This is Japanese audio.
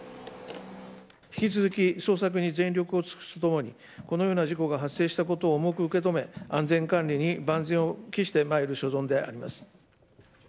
引き続き捜索に全力を尽くすとともに、このような事故が発生したことを重く受け止め、安全管理に万全を期してまいる所存であります。